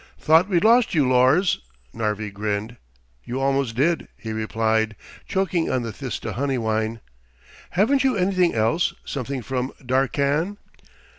"Thought we'd lost you, Lors," Narvi grinned. "You almost did," he replied, choking on the Thista honeywine. "Haven't you anything else, something from Darkkan?"